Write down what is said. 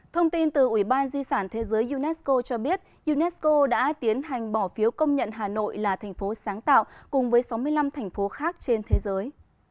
thông tin từ ủy ban di sản thế giới unesco cho biết unesco đã tiến hành bỏ phiếu công nhận hà nội là thành phố sáng tạo cùng với sáu mươi năm thành phố khác trên thế giới